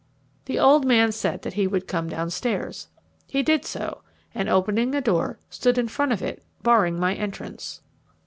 The old man said that he would come downstairs. He did so, and opening a door, stood in front of it, barring my entrance.